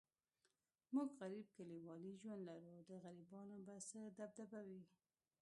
موږ غریب کلیوالي ژوند لرو، د غریبانو به څه دبدبه وي.